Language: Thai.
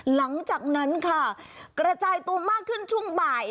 หลังจากนั้นค่ะกระจายตัวมากขึ้นช่วงบ่าย